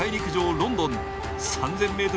ロンドン３０００ｍ